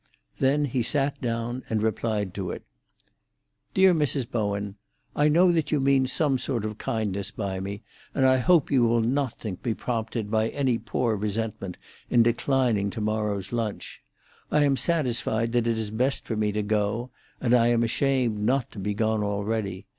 Then he sat down and replied to it. "Dear Mrs. Bowen,—I know that you mean some sort of kindness by me, and I hope you will not think me prompted by any poor resentment in declining to morrow's lunch. I am satisfied that it is best for me to go; and I am ashamed not to be gone already.